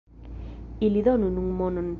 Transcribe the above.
Ili donu nun monon.